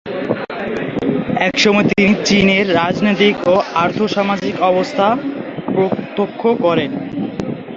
এসময় তিনি চীনের রাজনৈতিক ও আর্থসামাজিক অবস্থা প্রত্যক্ষ করেন।